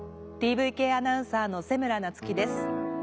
ｔｖｋアナウンサーの瀬村奈月です。